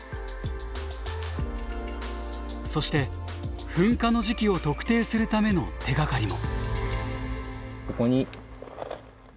そして噴火の時期を特定するための手がかりも。